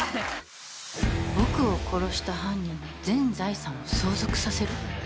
「僕を殺した犯人に全財産を相続させる」